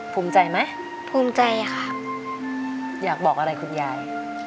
ภูมิใจไหมภูมิใจค่ะอยากบอกอะไรคุณยาย